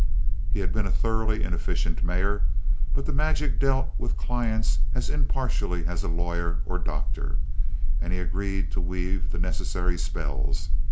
He had been a thoroughly inefficient Mayor, but the magician dealt with clients as impartially as a lawyer or doctor, and he agreed to weave the necessary spells.